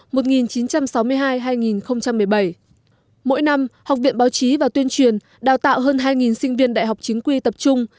mỗi năm học viện báo chí và tuyên truyền đào tạo hơn hai sinh viên đại học chính quy tập trung